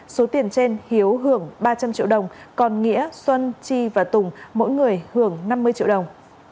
số tiền trên hiếu hưởng ba trăm linh triệu đồng còn nghĩa xuân chi và tùng mỗi người hưởng năm mươi triệu đồng